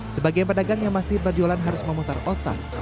sebagian pedagang yang masih berjualan harus memutar otak